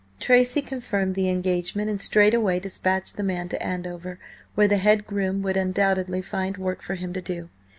Tracy confirmed the engagement and straightway dispatched the man to Andover, where the head groom would undoubtedly find work for him to do.